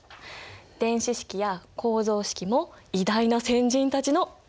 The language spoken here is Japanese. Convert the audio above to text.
電子式や構造式も偉大な先人たちのアイデア！